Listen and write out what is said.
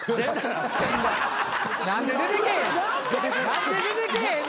何で出てけえへん。